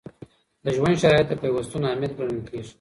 د ژوند شرایط د پیوستون عامل ګڼل کیږي.